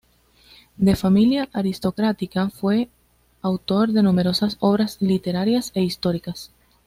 De familia aristocrática, fue autor de numerosas obras literarias e históricas.